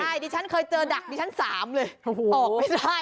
ใช่ดิฉันเคยเจอดักดิฉันสามเลย